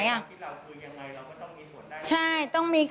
พี่เราคิดเหล่าคือยังไงเราก็ต้องมีส่วนได้